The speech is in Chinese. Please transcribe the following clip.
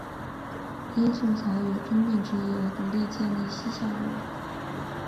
因宋朝有并吞之意而独立建立西夏国。